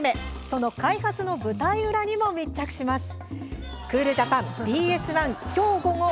その開発の舞台裏にも密着します。